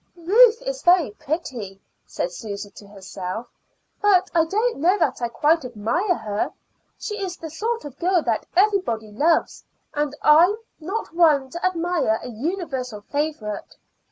"Ruth is very pretty," said Susy to herself, "but I don't know that I quite admire her. She is the sort of girl that everybody loves, and I am not one to admire a universal favorite.